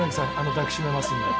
抱き締めますので。